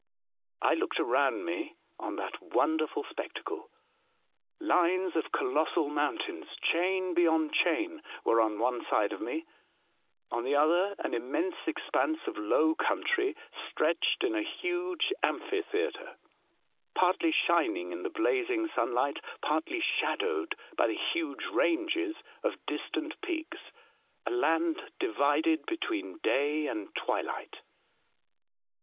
I looked around me on that wonderful spectacle. Lines of colossal moun tains, chain beyond chain, were on one side of me ; on the other, an immense expanse of low country stretched in a huge amphi theatre, partly shining in the blazing sun light, partly shadowed by the huge ranges of distant peaks — a land divided between day and twilight.